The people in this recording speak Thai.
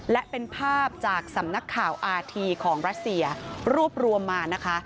และเป็นภาพจากสำนักข่าวอาทีของรัสเซียรวบรวมมานะคะ